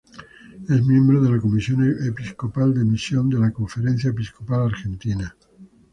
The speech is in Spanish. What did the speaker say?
Es miembro de la Comisión Episcopal de Misión de la Conferencia Episcopal Argentina.